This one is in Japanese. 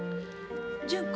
純子